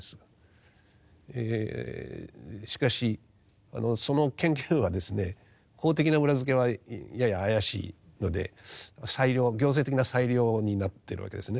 しかしその権限はですね法的な裏づけはやや怪しいので裁量行政的な裁量になってるわけですね。